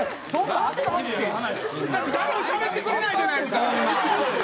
だって誰もしゃべってくれないじゃないですか。